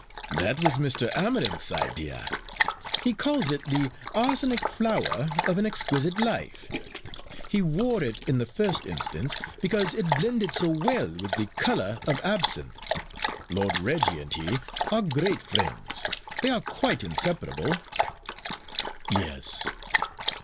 "That was Mr. Amarinth's idea. He calls it the arsenic flower of an exquisite life. He wore it, in the first instance, because it blended so well with the colour of absinthe. Lord Reggie and he are great friends. They are quite inseparable." "Yes."